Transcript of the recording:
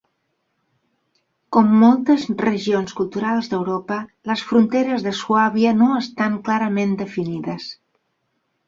Com moltes regions culturals d'Europa, les fronteres de Suàbia no estan clarament definides.